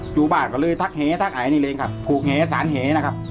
อยู่บ้านก็เลยทักเหทักไอนี่เองครับผูกเหสารเหนะครับ